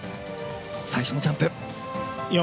最初のジャンプ。